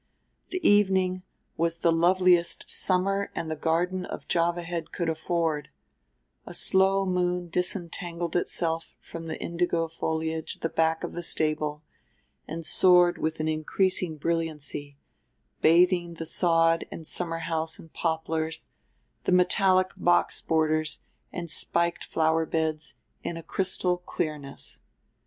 The evening was the loveliest summer and the garden of Java Head could afford: a slow moon disentangled itself from the indigo foliage at the back of the stable and soared with an increasing brilliancy, bathing the sod and summerhouse and poplars, the metallic box borders and spiked flower beds, in a crystal clearness.